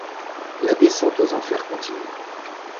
La descente aux enfers continue.